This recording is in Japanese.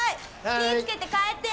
気ぃ付けて帰ってや。